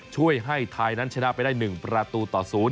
ช่วยให้ไทยนั้นชนะไปได้๑ประตูต่อ๐